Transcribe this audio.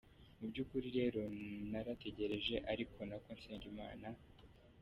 Mu byukuri rero narategereje ari nako nsenga Imana.